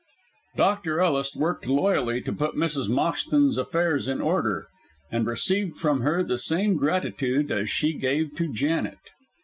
Dr. Ellis worked loyally to put Mrs. Moxton's affairs in order, and received from her the same gratitude as she gave to Janet.